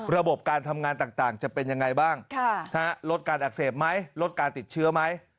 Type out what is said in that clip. ระบบการทำงานต่างจะเป็นยังไงบ้างลดการอักเสบไหมลดการติดเชื้อไหม